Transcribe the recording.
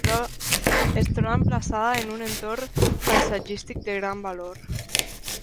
Es troba emplaçada en un entorn paisatgístic de gran valor.